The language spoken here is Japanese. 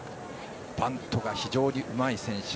バントが非常にうまい選手。